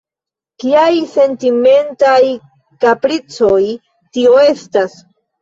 Kiaj sentimentaj kapricoj tio estas?